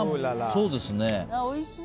そうですね。